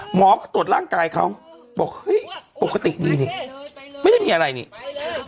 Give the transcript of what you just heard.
หมอก็ตรวจร่างกายเขาบอกเฮ้ยปกติดีนี่ไม่ได้มีอะไรนี่